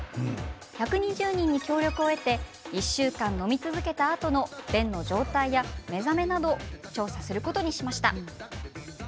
１２０人に協力を得て１週間飲み続けたあとの便の状態や目覚めなどを調査することに。